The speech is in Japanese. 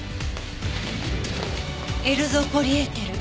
「エルゾポリエーテル」。